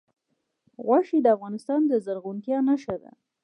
غوښې د افغانستان د زرغونتیا نښه ده.